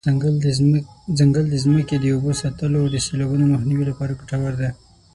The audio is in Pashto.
ځنګل د ځمکې د اوبو ساتلو او د سیلابونو د مخنیوي لپاره ګټور دی.